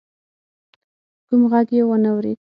کوم غږ يې وانه ورېد.